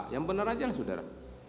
yang benar aja lah saudara